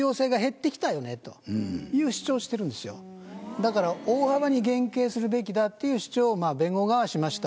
だから大幅に減刑するべきだという主張を弁護側はしました。